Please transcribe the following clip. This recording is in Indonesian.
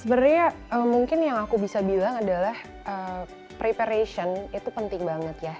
sebenarnya mungkin yang aku bisa bilang adalah preparation itu penting banget ya